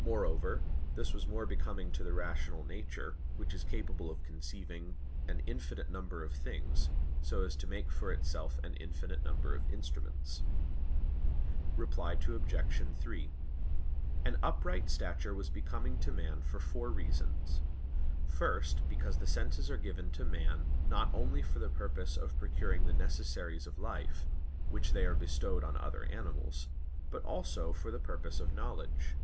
Moreover this was more becoming to the rational nature, which is capable of conceiving an infinite number of things, so as to make for itself an infinite number of instruments. Reply Obj. 3: An upright stature was becoming to man for four reasons. First, because the senses are given to man, not only for the purpose of procuring the necessaries of life, which they are bestowed on other animals, but also for the purpose of knowledge.